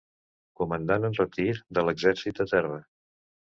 Comandant en retir de l'Exèrcit de Terra.